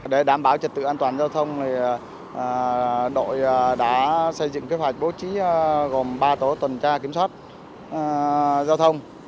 để đảm bảo trật tự an toàn giao thông đội đã xây dựng kế hoạch bố trí gồm ba tổ tuần tra kiểm soát giao thông